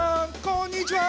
こんにちは。